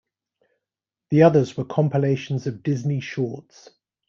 The others were compilations of Disney shorts.